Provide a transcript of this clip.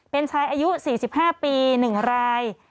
เป็นชายอายุ๔๕ปี๑ราย